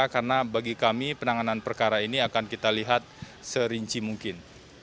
karena bagi kami penanganan perkara ini akan kita lihat serinci mungkin